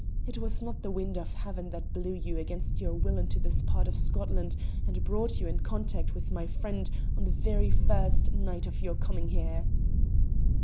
It was not the winds of heaven that blew you against your will into this part of Scotland, and brought you in contact with my friend on the very first night of your coming here."